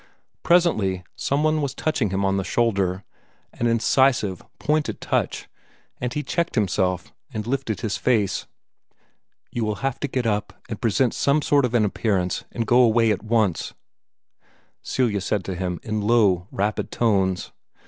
Presently some one was touching him on the shoulder an incisive, pointed touch and he checked himself, and lifted his face. "You will have to get up, and present some sort of an appearance, and go away at once," Celia said to him in low, rapid tones.